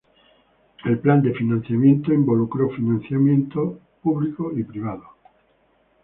El plan de financiamiento involucró financiamiento público y privado.